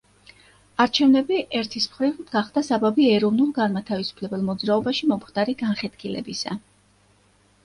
არჩევნები ერთი მხრივ, გახდა საბაბი ეროვნულ-განმათავისუფლებელ მოძრაობაში მომხდარი განხეთქილებისა.